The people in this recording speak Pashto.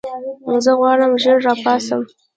زه غواړم ژر راپاڅم.